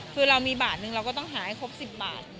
คือเรามีบาทนึงเราก็ต้องหาให้ครบ๑๐บาท